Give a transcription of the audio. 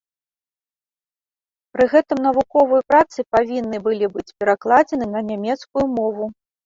Пры гэтым навуковыя працы павінны былі быць перакладзены на нямецкую мову.